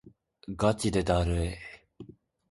ガチでだるい